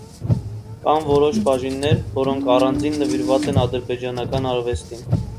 Կան որոշ բաժիններ, որոնք առանձին նվիրված են ադրբեջանական արվեստին։